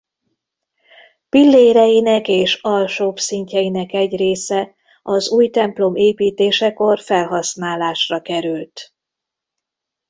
Pilléreinek és alsóbb szintjeinek egy része az új templom építésekor felhasználásra került.